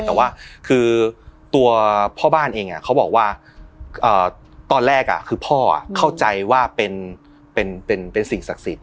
แต่ว่าคือตัวพ่อบ้านเองเขาบอกว่าตอนแรกคือพ่อเข้าใจว่าเป็นสิ่งศักดิ์สิทธิ